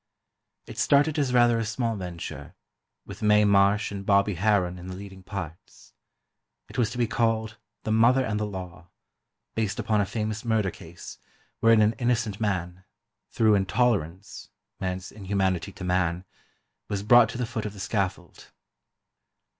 It started as rather a small venture, with Mae Marsh and Bobby Harron in the leading parts. It was to be called "The Mother and the Law," based upon a famous murder case, wherein an innocent man, through intolerance—man's inhumanity to man—was brought to the foot of the scaffold.